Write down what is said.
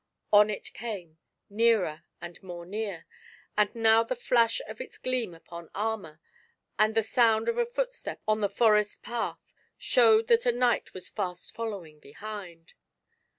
On it came, nearer and more near ; and now the flash of its gleam upon armour, and the sound of a footstep on the forest path, showed that a knight was fast following behind.